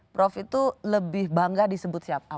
prof itu lebih bangga disebut siapa